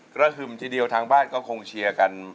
กระหึ่มทีเดียวทางบ้านก็คงเชียร์กัน